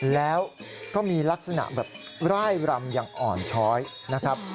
แล้วก็มีลักษณะแบบร่ายรำอย่างอ่อนช้อยนะครับ